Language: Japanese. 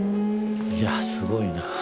いやすごいな。